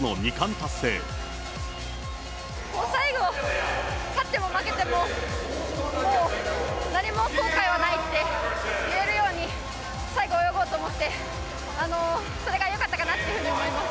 最後、勝っても負けても、もう何も後悔はないって言えるように、最後泳ごうと思って、それがよかったかなっていうふうに思います。